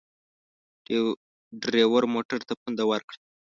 ډریور موټر ته پونده ورکړه.